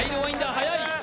速い。